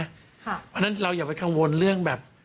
เพราะฉะนั้นเราอย่าไปกังวลเรื่องแบบ